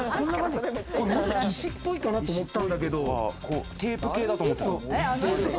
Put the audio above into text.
石っぽいかなと思ったんだけど、テープ系だと思ってた。